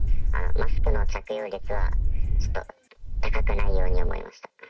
マスクの着用率は、ちょっと高くないように思いました。